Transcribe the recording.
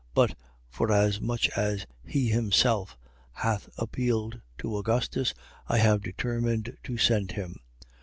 But forasmuch as he himself hath appealed to Augustus, I have determined to send him.